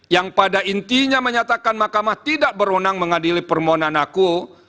yang pada intinya menyatakan mahkamah tidak berwenang mengadili permohonan aku